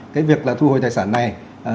cái việc là thu hồi tài sản này